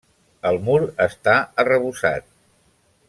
El mur està arrebossat.